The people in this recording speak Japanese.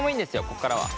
ここからは。